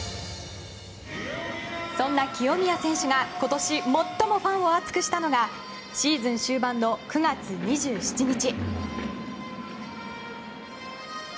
そんな清宮選手が今年最もファンを熱くしたのがシーズン終盤の９月２７日。